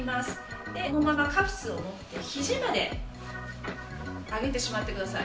このままカフスを持って肘まで上げてしまってください。